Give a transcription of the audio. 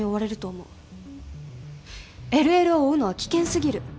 ＬＬを追うのは危険すぎる。